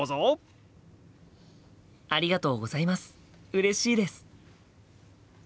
うれしいです！